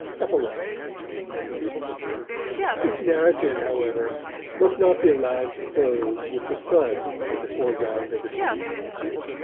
EPILOGUE THIS narrative, however, must not be allowed to close with the Son in the foreground of the piece.